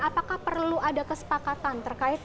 apakah perlu ada kesepakatan terkait